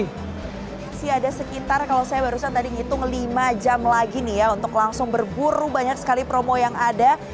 masih ada sekitar kalau saya barusan tadi ngitung lima jam lagi nih ya untuk langsung berburu banyak sekali promo yang ada